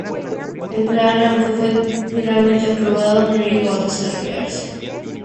El plan aunque fue finalmente aprobado, no llegó a desarrollarse.